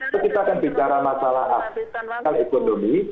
itu kita akan bicara masalah ekonomi